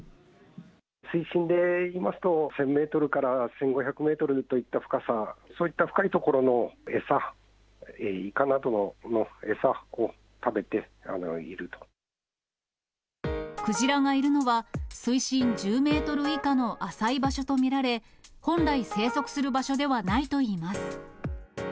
水深で言いますと、１０００メートルから１５００メートルといった深さ、そういった深い所の餌、クジラがいるのは、水深１０メートル以下の浅い場所と見られ、本来生息する場所ではないといいます。